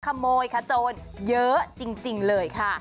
ขโมยขโจรเยอะจริงเลยค่ะ